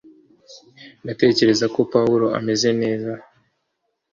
ndatekereza ko pawulo ameze neza